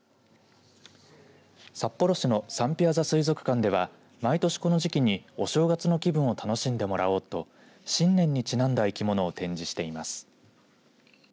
札幌市のサンピアザ水族館では毎年この時期にお正月の気分を楽しんでもらおうと新年にちなんだ生き物を展示しています。